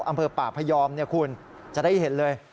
อำเภอป่าพยอมคุณจะได้เห็นเลย